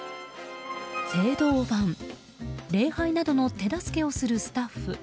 礼拝などの手助けをするスタッフ。